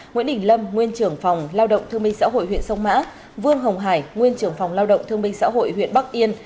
nguyễn đình lâm nguyên trưởng phòng lao động thương minh xã hội huyện sông mã vương hồng hải nguyên trưởng phòng lao động thương minh xã hội huyện bắc yên